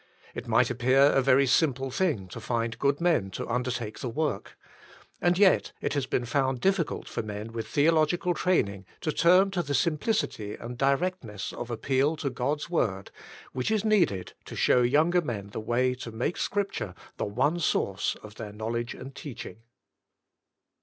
It might appear a very simple thing to find good men to undertake the work; and yet it has been found difficult for men with theological training to turn to the simplicity and directness of appeal to God's Word, which is needed to show younger men the way to make Scripture the one source of their knowledge and teaching.